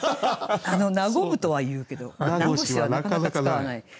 「和む」とは言うけど「和し」はなかなか使わない。